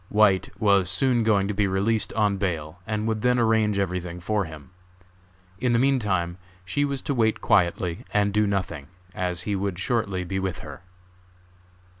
White was soon going to be released on bail and would then arrange everything for him. In the meantime, she was to wait quietly and do nothing, as he would shortly be with her.